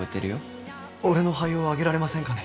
俺の肺をあげられませんかね？